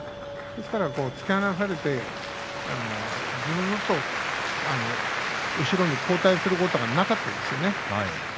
ですから突き放されて後ろに後退することなかったですよね。